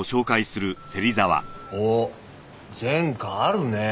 おっ前科あるねぇ。